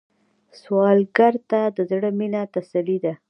سوالګر ته د زړه مينه تسلي ده